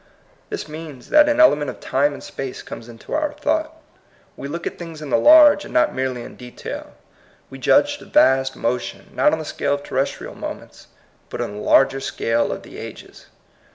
This means that an element of time and space comes into our thought. We look at things in the large, and not merely in detail. We judge the vast motion, not on the scale of terrestrial moments, but on the larger scale of the ages.